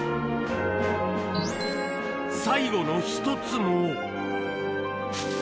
最後の一つも。